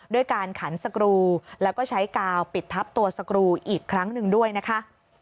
ด้วยการขันสกรูแล้วก็ใช้กาวปิดทับตัวสกรูอีกครั้งหนึ่งด้วยนะคะ